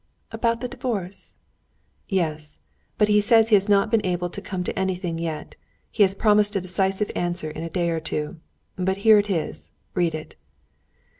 "About the divorce?" "Yes; but he says he has not been able to come at anything yet. He has promised a decisive answer in a day or two. But here it is; read it."